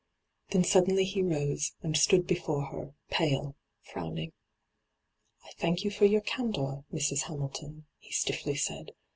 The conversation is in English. Then suddenly he rose, and stood before her, pale, frowning. ' I thank you for your candour, Mrs. Hamilton,' he stiffly said.